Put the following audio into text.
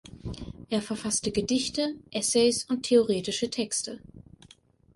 Er verfasste Gedichte, Essays und theoretische Texte.